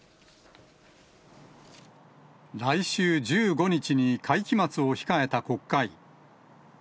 来週１５日に会期末を控えた国会。